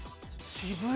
渋い！